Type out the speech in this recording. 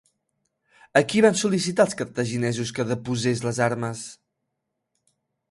A qui van sol·licitar els cartaginesos que deposés les armes?